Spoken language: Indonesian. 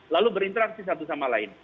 lalu berinteraksi satu sama lain